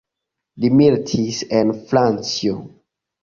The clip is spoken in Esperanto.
Li militis en Francio.